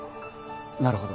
なるほど。